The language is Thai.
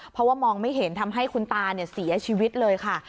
เพราะว่ามองไม่เห็นทำให้คุณตาเสียชีวิตเลยค่ะ